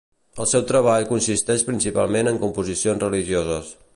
El seu treball consisteix principalment en composicions religioses.